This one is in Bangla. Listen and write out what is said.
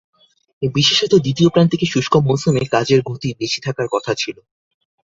বিশেষত দ্বিতীয় প্রান্তিকে শুষ্ক মৌসুমে কাজের গতি বেশি থাকার কথা ছিল।